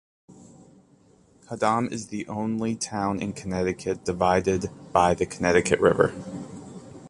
Haddam is the only town in Connecticut divided by the Connecticut River.